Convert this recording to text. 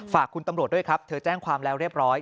ฝากคุณตำรวจด้วยครับเธอแจ้งความแล้วเรียบร้อย